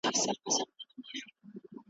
په لږ وخت کي یې پر ټو له کور لاس تېر کړ `